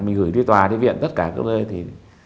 mình gửi đi tòa đi viện tất cả các nơi